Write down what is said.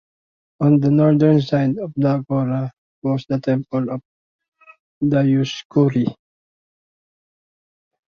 On the northern side of the agora was the temple of Dioscuri.